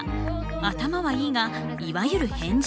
頭はいいがいわゆる変人。